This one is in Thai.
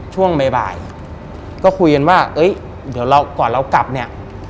ช่วงบ่ายก็คุยกันว่าเอ้ยเดี๋ยวเราก่อนเรากลับเนี่ย